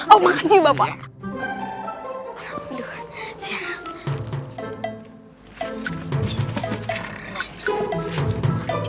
oh makasih bapak